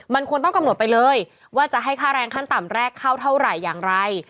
มันควรต้องกำหนดไปเลยว่าจะให้ค่าแรงขั้นต่ำแรกเข้าเท่าไหร่อย่างไร